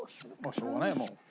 しょうがないもう。